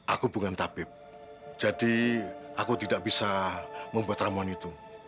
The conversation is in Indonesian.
aku bukan tabib jadi aku tidak bisa membuat ramuan itu